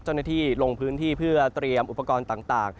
เจ้าหน้าที่ลงพื้นที่เพื่อเตรียมอุปกรณ์ต่าง